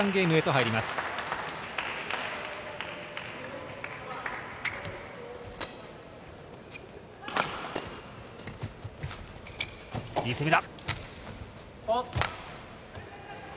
いい攻めだ。